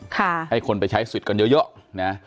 ค่ะให้คนไปใช้สวิตซ์กันเยอะเยอะนะ